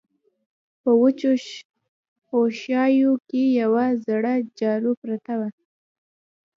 په وچو خوشايو کې يوه زړه جارو پرته وه.